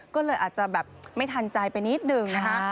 ก็เลยอาจจะแบบไม่ทันใจไปนิดหนึ่งนะคะ